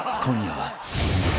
［今夜は］